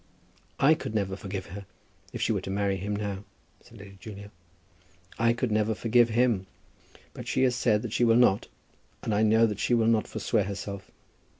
"I could never forgive her if she were to marry him now," said Lady Julia. "I could never forgive him. But she has said that she will not, and I know that she will not forswear herself.